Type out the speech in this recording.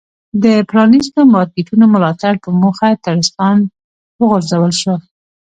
د پ رانیستو مارکېټونو ملاتړ په موخه ټرستان وغورځول شول.